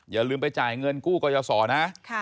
อย่าลืมไปจ่ายเงินกู้กรยาศรนะ